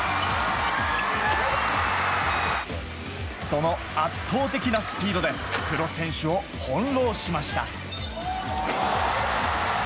その圧倒的なスピードでプロ選手を翻弄しました。